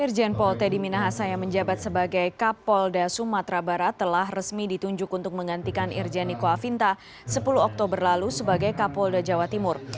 irjen pol teddy minahasa yang menjabat sebagai kapolda sumatera barat telah resmi ditunjuk untuk menggantikan irjen niko afinta sepuluh oktober lalu sebagai kapolda jawa timur